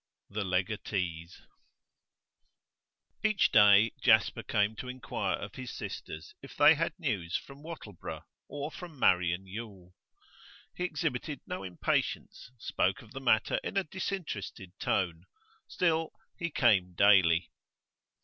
THE LEGATEES Each day Jasper came to inquire of his sisters if they had news from Wattleborough or from Marian Yule. He exhibited no impatience, spoke of the matter in a disinterested tone; still, he came daily.